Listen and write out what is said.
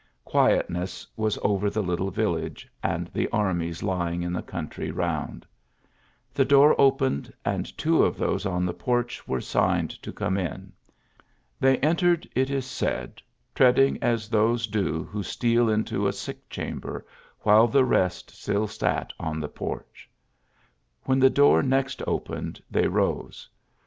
Quietness was over the little village and the armies lying in the country round. The door opened, and two of those on the porch were signed to come in. They entered, it is said, tread ing Bs those do who steal into a sick chamber, while the rest still sat on the porch. When the door next opened, they rose.